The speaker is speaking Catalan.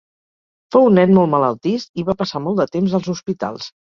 Fou un nen molt malaltís i va passar molt de temps als hospitals.